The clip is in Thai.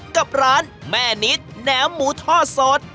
กับร้านแม่นิดแหนมหมูทอดสด